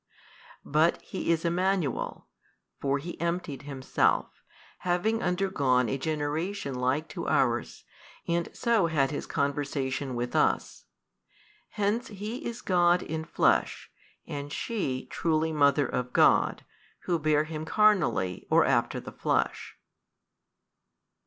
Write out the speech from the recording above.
But He is Emmanuel, for He emptied Himself, having undergone a generation like to ours, and so had His conversation with us. Hence He is God in flesh and she truly Mother of God, who bare Him carnally or after the flesh.